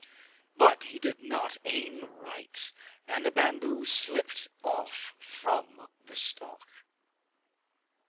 But he did not aim right, and the bamboo slipped off from the stalk.